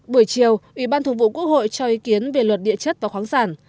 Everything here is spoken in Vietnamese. buổi chiều ủy ban thường vụ quốc hội cho ý kiến về luật địa chất và khoáng sản